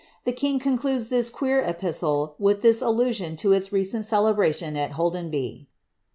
The king concludes his queer epistle with this alla sion to its recent celebration at Holdenby.